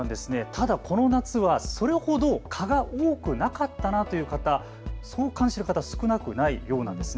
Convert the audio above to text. ただこの夏はそれほど蚊が多くなかったのという方、そう感じる方、少なくないようなんです。